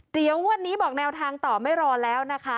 เดี๋ยวงวดนี้บอกแนวทางต่อไม่รอแล้วนะคะ